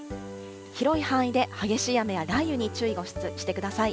広い範囲で激しい雨や雷雨に注意をしてください。